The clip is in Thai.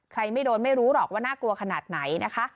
ไม่โดนไม่รู้หรอกว่าน่ากลัวขนาดไหนนะคะ